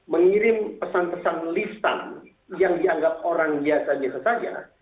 mengirim pesan pesan lisan yang dianggap orang biasa biasa saja